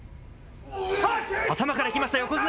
頭からいきました、横綱。